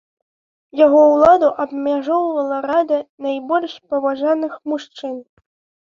Яго ўладу абмяжоўвала рада найбольш паважаных мужчын.